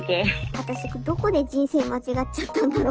私どこで人生間違っちゃったんだろう。